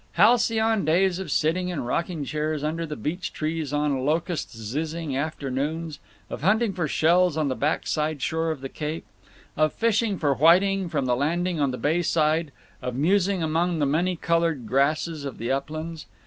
Halcyon days of sitting in rocking chairs under the beech trees on locust zizzing afternoons, of hunting for shells on the back side shore of the Cape, of fishing for whiting from the landing on the bay side, of musing among the many colored grasses of the uplands.